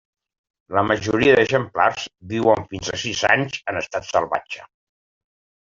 La majoria d'exemplars viuen fins a sis anys en estat salvatge.